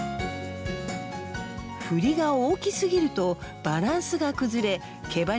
振りが大きすぎるとバランスが崩れ毛